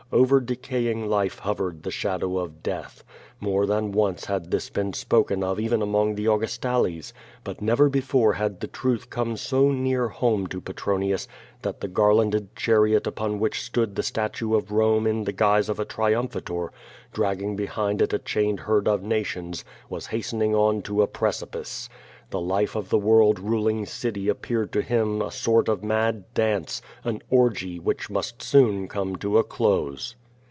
Over decaying life hovered the shadow of death. More than once had this been spoken of even among the Augustales. But never before had the truth come so near home to Petronius that the garlanded chariot upon which stood the statue of Rome in the guise of a triumphator, dragging behind it a chained herd of nations, was hastening on to a precipice. The life of the world ruling city appeared to him a sort of mad dance, an orgy, which must soon come to a close.